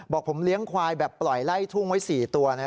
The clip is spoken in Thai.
บอกผมเลี้ยงควายแบบปล่อยไล่ทุ่งไว้๔ตัวนะ